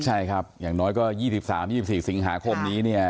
ใช่ครับอย่างน้อยก็ยี่สิบสามยี่สิบสี่สิงหาคมนี้เนี่ย